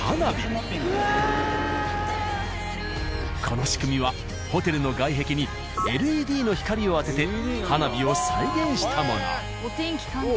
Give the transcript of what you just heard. この仕組みはホテルの外壁にＬＥＤの光を当てて花火を再現したもの。